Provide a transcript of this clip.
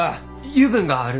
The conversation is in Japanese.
油分がある！